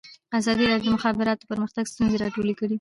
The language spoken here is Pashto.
ازادي راډیو د د مخابراتو پرمختګ ستونزې راپور کړي.